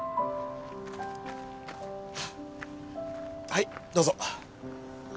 はいどうぞ。